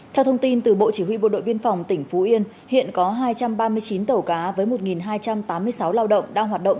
theo thông tin từ bộ chỉ huy bộ đội biên phòng tỉnh phú yên hiện có hai trăm ba mươi chín tàu cá với một hai trăm tám mươi sáu lao động đang hoạt động